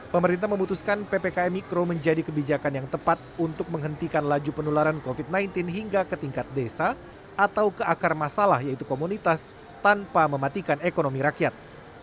pemerintah memutuskan ppkm mikro menjadi kebijakan yang tepat untuk menghentikan laju penularan covid sembilan belas hingga ke tingkat desa atau ke akar masalah yaitu komunitas tanpa mematikan ekonomi rakyat